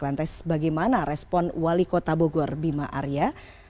lantas bagaimana respon wali kota bogor bima arya